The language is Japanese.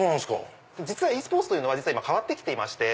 実はｅスポーツというのは変わって来ていまして。